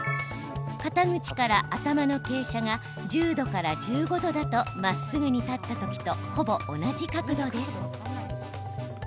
肩口から頭の傾斜が１０度から１５度だとまっすぐに立った時とほぼ同じ角度です。